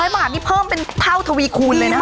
๐บาทนี่เพิ่มเป็นเท่าทวีคูณเลยนะคะ